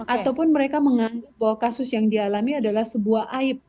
ataupun mereka menganggap bahwa kasus yang dialami adalah sebuah aib